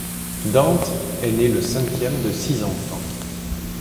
Dante est né le cinquième de six enfants.